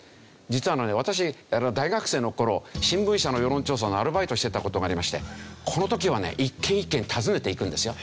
実は私大学生の頃新聞社の世論調査のアルバイトしてた事がありましてこの時はね一軒一軒訪ねていくんですよ。